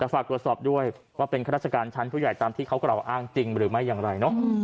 ฝากตรวจสอบด้วยว่าเป็นข้าราชการชั้นผู้ใหญ่ตามที่เขากล่าวอ้างจริงหรือไม่อย่างไรเนอะ